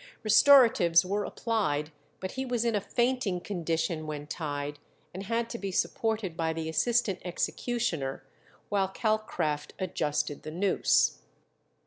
Restoratives were applied, but he was in a fainting condition when tied, and had to be supported by the assistant executioner while Calcraft adjusted the noose.